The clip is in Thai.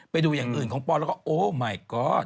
ไปดูอย่างอื่นของปอนแล้วก็โอ้ใหม่ก่อน